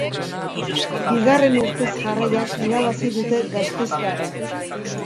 Bigarren urtez jarraian irabazi dute gasteiztarrek.